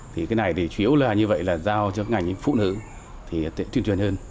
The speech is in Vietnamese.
thì cái này thì chủ yếu là như vậy là giao cho ngành phụ nữ thì tuyên truyền hơn